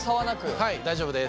はい大丈夫です。